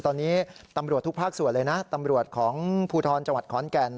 ตอนนี้ตำรวจทุกภาคส่วนเลยนะตำรวจของภูทรจังหวัดขอนแก่น